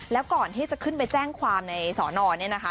แล้วก่อนที่จะขึ้นไปแจ้งความในสอนอนเนี่ยนะคะ